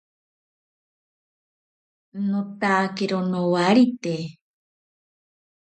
Notakero nowarite.